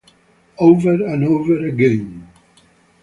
Over and over again.